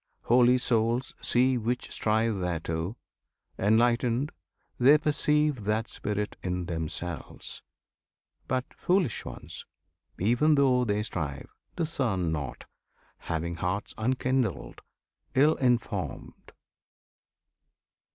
Holy souls see Which strive thereto. Enlightened, they perceive That Spirit in themselves; but foolish ones, Even though they strive, discern not, having hearts Unkindled, ill informed!